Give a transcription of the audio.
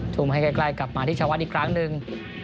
ทุ่มให้ใกล้กลับมาที่ชาววัดอีกครั้งหนึ่ง